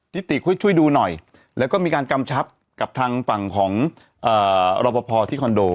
ติช่วยดูหน่อยแล้วก็มีการกำชับกับทางฝั่งของรอปภที่คอนโด